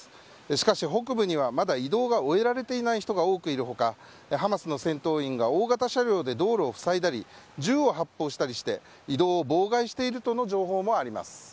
しかし、北部にはまだ移動が終えられていない人が多くいる他ハマスの戦闘員が大型車両で道路を塞いだり銃を発砲したりして移動を妨害しているとの情報もあります。